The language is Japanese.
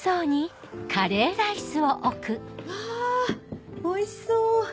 わおいしそう。